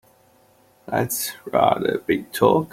That's rather big talk!